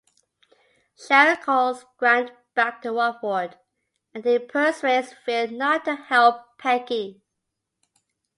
Sharon calls Grant back to Walford, and he persuades Phil not to help Peggy.